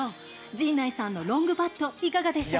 陣内さんのロングパットいかがでしたか？